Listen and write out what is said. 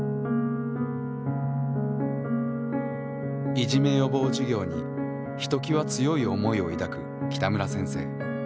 いじめ予防授業にひときわ強い思いを抱く北村先生。